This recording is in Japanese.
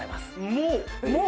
もう？